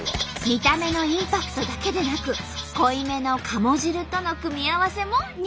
見た目のインパクトだけでなく濃いめの鴨汁との組み合わせも人気なんだとか。